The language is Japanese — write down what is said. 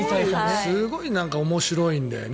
すごい面白いんだよね